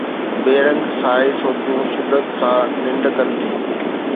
بي رنگ سائي سوچون شدت سان ننڊ ڪن ٿيون